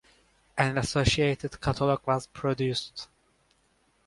An associated catalogue was produced.